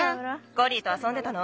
コリーとあそんでたの？